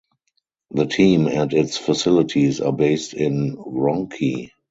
The team and its facilities are based in Wronki.